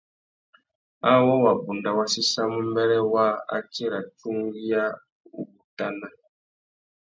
Awô wabunda wa séssamú mbêrê waā, a tira tsungüiawutana.